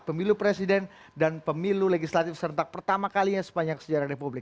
pemilu presiden dan pemilu legislatif serentak pertama kalinya sepanjang sejarah republik